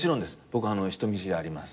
僕人見知りあります。